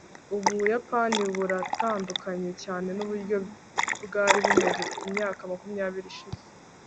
ubuyapani buratandukanye cyane nuburyo bwari bumaze imyaka makumyabiri ishize